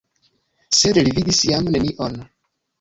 Sed li vidis jam nenion.